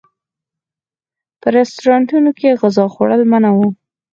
په رسټورانټونو کې غذا خوړل منع و.